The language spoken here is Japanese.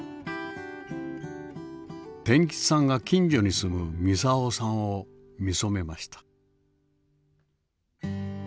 天吉さんが近所に住む操さんを見初めました。